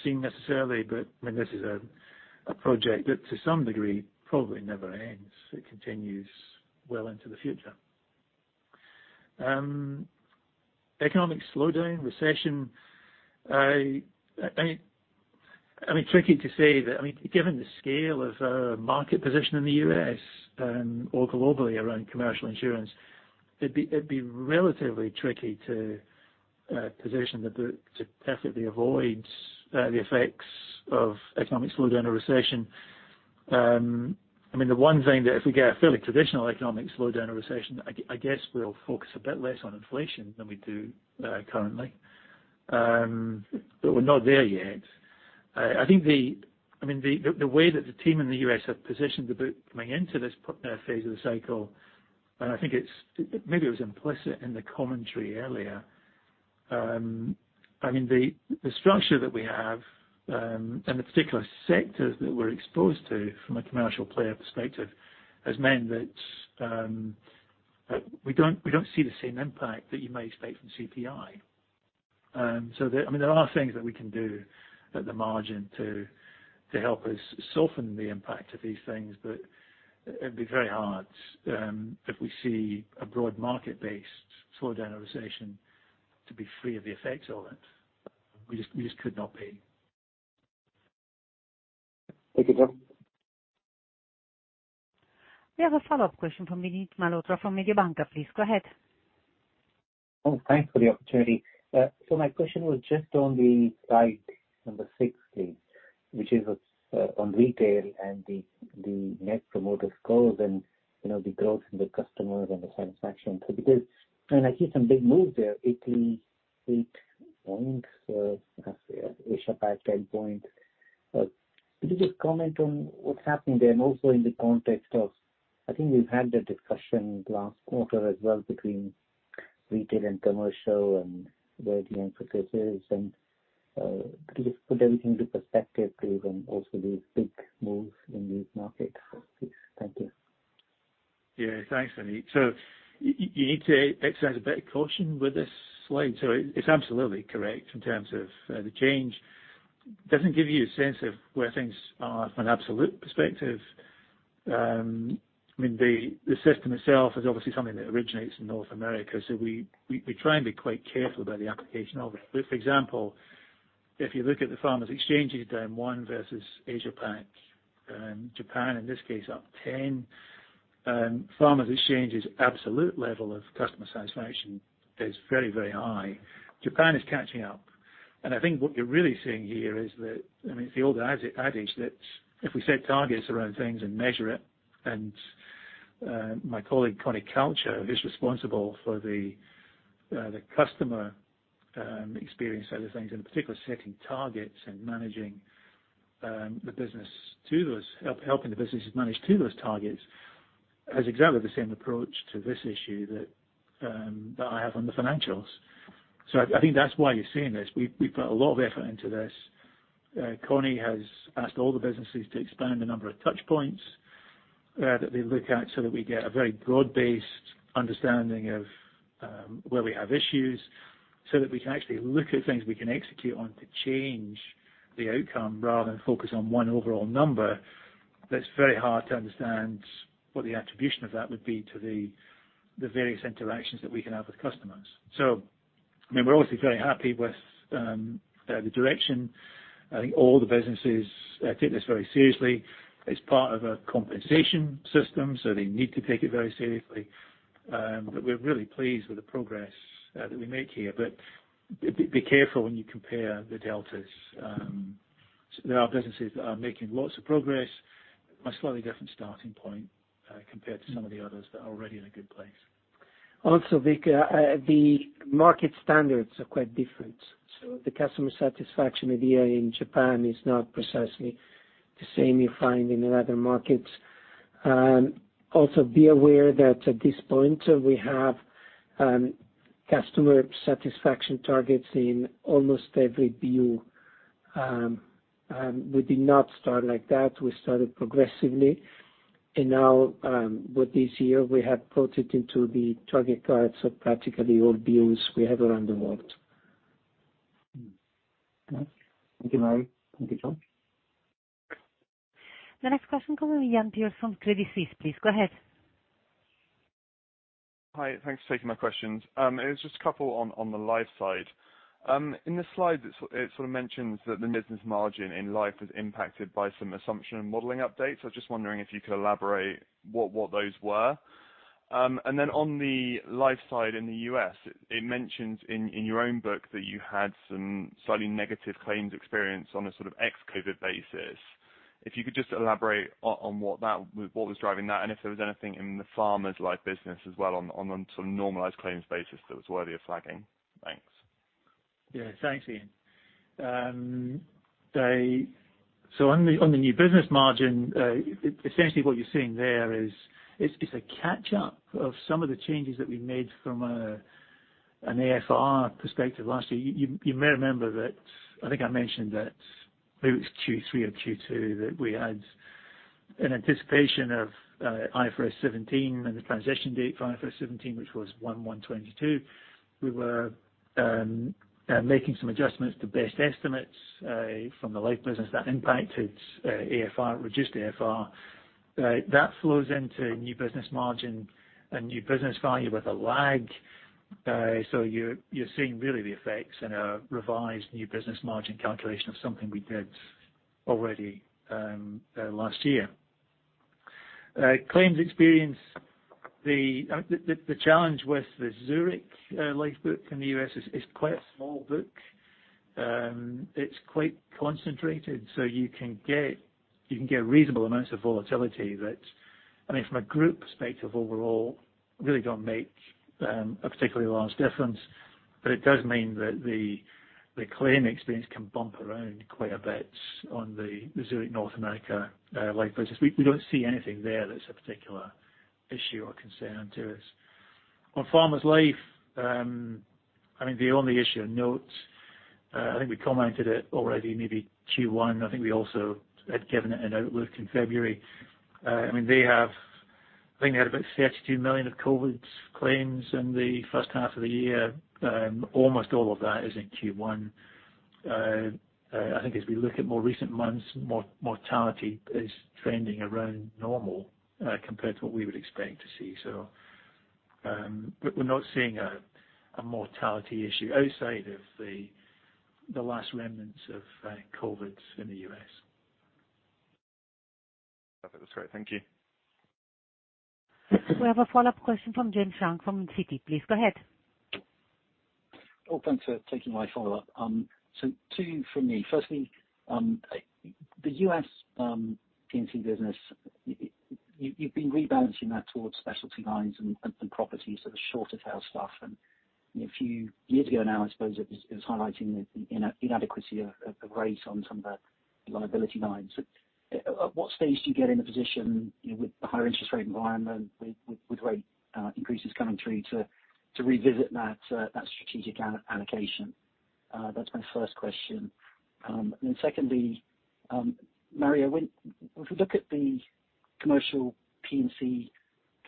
seen necessarily, but I mean, this is a project that to some degree probably never ends. It continues well into the future. Economic slowdown, recession. I mean, tricky to say that. I mean, given the scale of our market position in the U.S., Or globally around commercial insurance, it'd be relatively tricky to position the book to perfectly avoid the effects of economic slowdown or recession. I mean, the one thing that if we get a fairly traditional economic slowdown or recession, I guess we'll focus a bit less on inflation than we do currently. We're not there yet. I think the way that the team in the U.S. have positioned the book coming into this phase of the cycle, and I think it's. Maybe it was implicit in the commentary earlier. I mean, the structure that we have and the particular sectors that we're exposed to from a commercial player perspective has meant that we don't see the same impact that you may expect from CPI. I mean, there are things that we can do at the margin to help us soften the impact of these things, but it'd be very hard if we see a broad market-based slowdown or recession to be free of the effects of it. We just could not be. Thank you, George. We have a follow-up question from Vinit Malhotra from Mediobanca. Please go ahead. Thanks for the opportunity. My question was just on the slide number six, please, which is on retail and the net promoter scores and, you know, the growth in the customers and the satisfaction. Because I see some big moves there, Italy, 8 points, Asia Pac, 10 points. Could you just comment on what's happening there? Also in the context of, I think we've had the discussion last quarter as well between retail and commercial and where the emphasis is. Could you just put everything into perspective, please, and also the big moves in these markets, please? Thank you. Yeah. Thanks, Vinit. You need to exercise a bit of caution with this slide. It's absolutely correct in terms of the change. Doesn't give you a sense of where things are from an absolute perspective. I mean, the system itself is obviously something that originates in North America, so we try and be quite careful about the application of it. For example, if you look at the Farmers Exchanges down one versus Asia Pac, Japan, in this case up 10. Farmers Exchanges' absolute level of customer satisfaction is very, very high. Japan is catching up. I think what you're really seeing here is that, I mean, it's the old adage that if we set targets around things and measure it, my colleague, Conny Kalcher, who's responsible for the customer experience side of things, in particular, setting targets and managing the business to those, helping the businesses manage to those targets, has exactly the same approach to this issue that I have on the financials. I think that's why you're seeing this. We've put a lot of effort into this. Conny has asked all the businesses to expand the number of touch points that they look at so that we get a very broad-based understanding of where we have issues, so that we can actually look at things we can execute on to change the outcome rather than focus on one overall number that's very hard to understand what the attribution of that would be to the various interactions that we can have with customers. I mean, we're obviously very happy with the direction. I think all the businesses take this very seriously. It's part of a compensation system, so they need to take it very seriously. We're really pleased with the progress that we make here. Be careful when you compare the deltas. There are businesses that are making lots of progress from a slightly different starting point, compared to some of the others that are already in a good place. Vic, the market standards are quite different. The customer satisfaction idea in Japan is not precisely the same you find in other markets. Be aware that at this point, we have customer satisfaction targets in almost every BU. We did not start like that. We started progressively. Now, with this year, we have put it into the target cards of practically all BUs we have around the world. Thank you, Mario. Thank you, John. The next question coming in from Iain Pearce from Credit Suisse, please. Go ahead. Hi. Thanks for taking my questions. It was just a couple on the life side. In the slides, it sort of mentions that the business margin in life was impacted by some assumption and modeling updates. I was just wondering if you could elaborate what those were. On the life side in the U.S., it mentions in your own book that you had some slightly negative claims experience on a sort of ex-COVID basis. If you could just elaborate on what was driving that, and if there was anything in the Farmers Life business as well on a sort of normalized claims basis that was worthy of flagging. Thanks. Thanks, Iain. On the new business margin, essentially what you're seeing there is it's a catch up of some of the changes that we made from an AFR perspective last year. You may remember that, I think I mentioned that, maybe it's Q3 or Q2, that we had an anticipation of IFRS 17 and the transition date for IFRS 17, which was 1/1/2022. We were making some adjustments to best estimates from the life business that impacted AFR, reduced AFR. That flows into new business margin and new business value with a lag. You're seeing really the effects in a revised new business margin calculation of something we did already last year. Claims experience. The challenge with the Zurich life book in the U.S. is it's quite a small book. It's quite concentrated, so you can get reasonable amounts of volatility that, I mean, from a group perspective overall, really don't make a particularly large difference. It does mean that the claim experience can bump around quite a bit on the Zurich North America life business. We don't see anything there that's a particular issue or concern to us. On Farmers Life, I mean, the only issue of note, I think we commented it already, maybe Q1, I think we also had given it an outlook in February. I mean, I think they had about $32 million of COVID claims in the first half of the year. Almost all of that is in Q1. I think as we look at more recent months, mortality is trending around normal compared to what we would expect to see. We're not seeing a mortality issue outside of the last remnants of COVID in the U.S. Perfect. That's great. Thank you. We have a follow-up question from James Shuck from Citi. Please go ahead. Oh, thanks for taking my follow-up. Two from me. Firstly, the U.S. P&C business, you've been rebalancing that towards specialty lines and properties that are shorter tail stuff. A few years ago now, I suppose it was highlighting the inadequacy of rates on some of the liability lines. At what stage do you get in a position, you know, with the higher interest rate environment, with rate increases coming through to revisit that strategic allocation? That's my first question. Secondly, Mario, when, if we look at the commercial P&C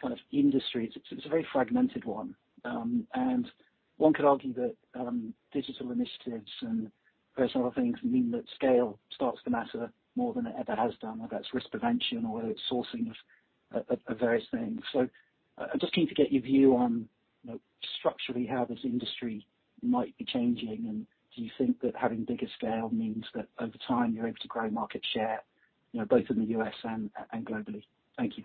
kind of industry, it's a very fragmented one. One could argue that digital initiatives and various other things mean that scale starts to matter more than it ever has done, whether that's risk prevention or whether it's sourcing of various things. I'm just keen to get your view on, you know, structurally how this industry might be changing. Do you think that having bigger scale means that over time you're able to grow market share, you know, both in the U.S. and globally? Thank you.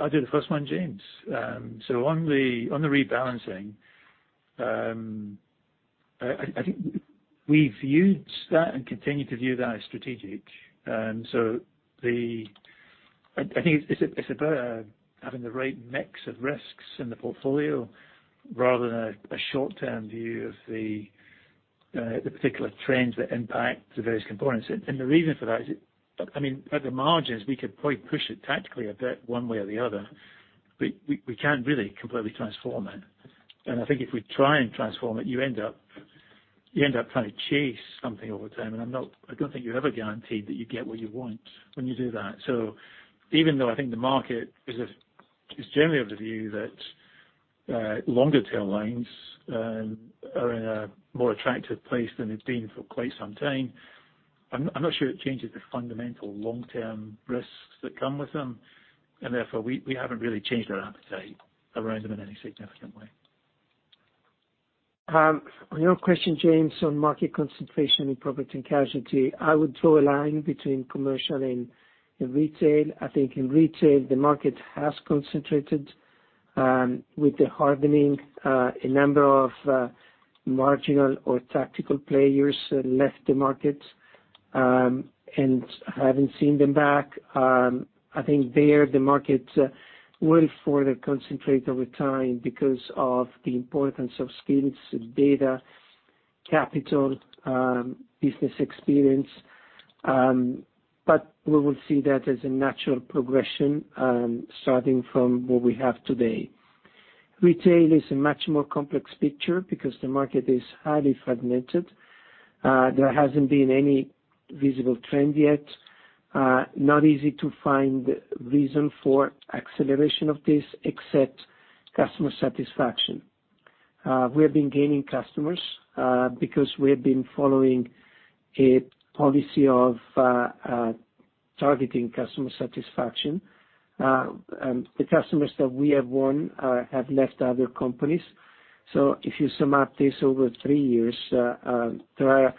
I'll do the first one, James. So on the rebalancing, I think we viewed that and continue to view that as strategic. I think it's about having the right mix of risks in the portfolio rather than a short-term view of the particular trends that impact the various components. The reason for that is. I mean, at the margins, we could probably push it tactically a bit one way or the other, but we can't really completely transform it. I think if we try and transform it, you end up trying to chase something all the time. I don't think you're ever guaranteed that you get what you want when you do that. even though I think the market is generally of the view that longer tail lines are in a more attractive place than they've been for quite some time, I'm not sure it changes the fundamental long-term risks that come with them. Therefore, we haven't really changed our appetite around them in any significant way. On your question, James, on market concentration in property and casualty, I would draw a line between commercial and retail. I think in retail, the market has concentrated with the hardening, a number of marginal or tactical players left the market, and I haven't seen them back. I think that the market will further concentrate over time because of the importance of skills, data, capital, business experience. We will see that as a natural progression, starting from what we have today. Commercial is a much more complex picture because the market is highly fragmented. There hasn't been any visible trend yet. It's not easy to find a reason for acceleration of this except customer satisfaction. We have been gaining customers because we have been following a policy of targeting customer satisfaction. The customers that we have won have left other companies. If you sum up this over three years, there are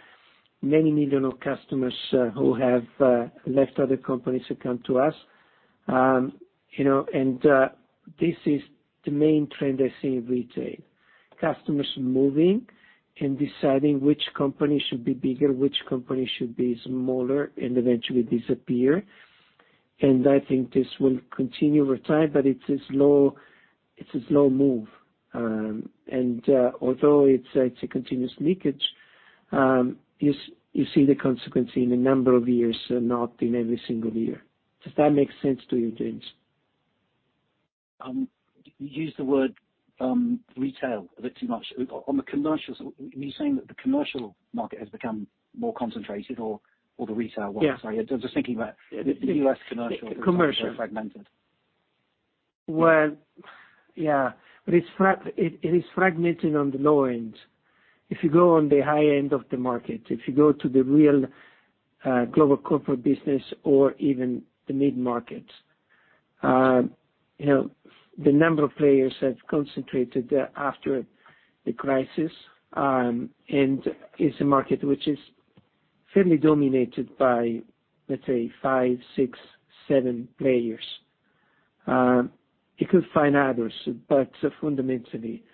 many million of customers who have left other companies to come to us. You know, this is the main trend I see in retail. Customers moving and deciding which company should be bigger, which company should be smaller and eventually disappear. I think this will continue over time, but it's a slow move. Although it's a continuous leakage, you see the consequence in a number of years, not in every single year. Does that make sense to you, James? You used the word retail a bit too much. On the commercial, are you saying that the commercial market has become more concentrated or the retail one? Yeah. Sorry. I'm just thinking about the U.S. commercial. Commercial. is much more fragmented. Well, yeah. It's fragmented on the low end. If you go on the high end of the market, if you go to the real global corporate business or even the mid-market, you know, the number of players have concentrated there after the crisis, and it's a market which is fairly dominated by, let's say, five, six, seven players. You could find others, but fundamentally,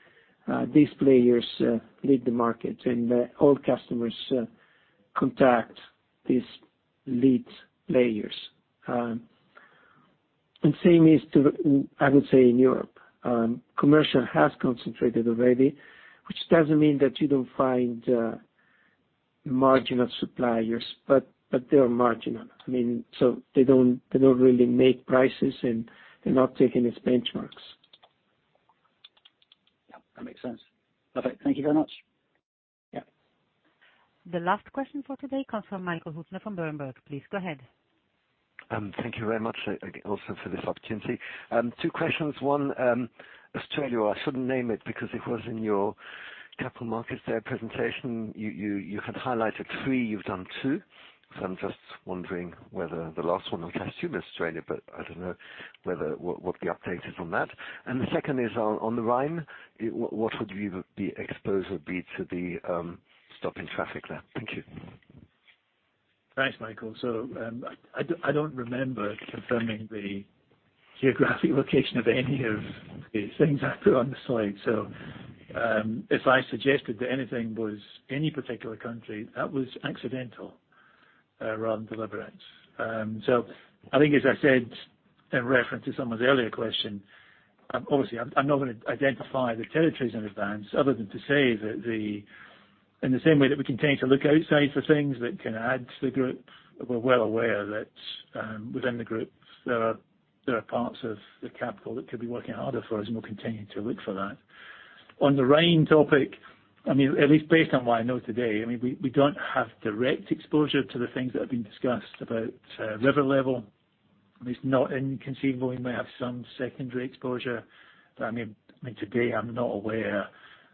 these players lead the market and all customers contact these lead players. The same is true, I would say, in Europe. Commercial has concentrated already, which doesn't mean that you don't find marginal suppliers, but they are marginal. I mean, they don't really make prices, and they're not setting the benchmarks. Yeah, that makes sense. Perfect. Thank you very much. Yeah. The last question for today comes from Michael Huttner from Berenberg. Please go ahead. Thank you very much also for this opportunity. Two questions. One, Australia, I shouldn't name it because it was in your capital markets deck presentation. You had highlighted three, you've done two. I'm just wondering whether the last one on consumer Australia, but I don't know what the update is on that. The second is on the Rhine, what would the exposure be to the stopping traffic there? Thank you. Thanks, Michael. I don't remember confirming the geographic location of any of the things I put on the slide. If I suggested that anything was any particular country, that was accidental, rather than deliberate. I think as I said, in reference to someone's earlier question, obviously I'm not gonna identify the territories in advance other than to say that in the same way that we continue to look outside for things that can add to the group, we're well aware that within the group there are parts of the capital that could be working harder for us, and we'll continue to look for that. On the Rhine topic, I mean, at least based on what I know today, I mean, we don't have direct exposure to the things that have been discussed about river level. It's not inconceivable we may have some secondary exposure, but I mean, today I'm not aware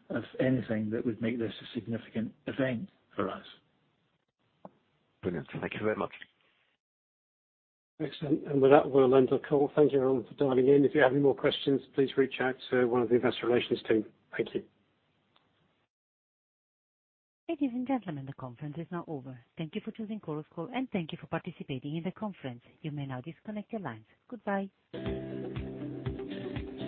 of anything that would make this a significant event for us. Brilliant. Thank you very much. Excellent. With that, we'll end our call. Thank you all for dialing in. If you have any more questions, please reach out to one of the investor relations team. Thank you. Ladies and gentlemen, the conference is now over. Thank you for choosing Chorus Call, and thank you for participating in the conference. You may now disconnect your lines. Goodbye.